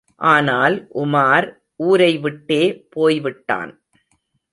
ஆனால், உமார் ஊரைவிட்டே போய்விட்டான்!